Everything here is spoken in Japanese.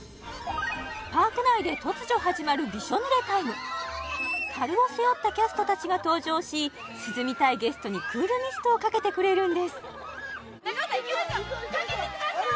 パーク内で突如始まるびしょ濡れタイム樽を背負ったキャストたちが登場し涼みたいゲストにクールミストをかけてくれるんです中尾さんいきますよかけてください！